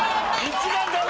一番ダメ！